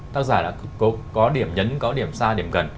tác giả đã có điểm nhấn có điểm xa điểm cần